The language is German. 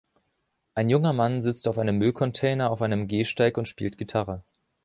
Ein junger Mann sitzt auf einem Müllcontainer, auf einem Gehsteig und spielt Gitarre.